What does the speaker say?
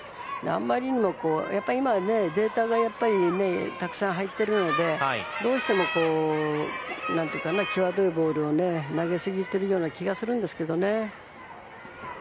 やっぱり今は、データがたくさん入っているので、どうしてもきわどいボールを投げすぎているような気がするんですけどね。